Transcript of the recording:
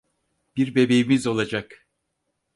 Bir bebeğimiz olacak.